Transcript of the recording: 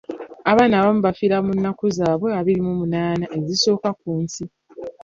Abaana abamu bafiira mu nnaku zaabwe abiri mu omunaana ezisooka ku nsi.